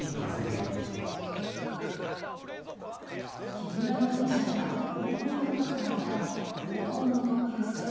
木村容疑者がこう声をかけたのが高校の同級生